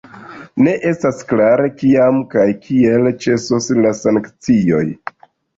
Ne estas klare, kiam kaj kiel ĉesos la sankcioj.